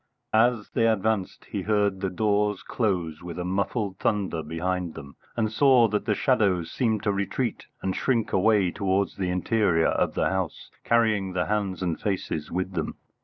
As they advanced he heard the doors close with a muffled thunder behind them, and saw that the shadows seemed to retreat and shrink away towards the interior of the house, carrying the hands and faces with them.